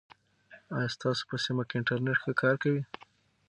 آیا ستاسو په سیمه کې انټرنیټ ښه کار کوي؟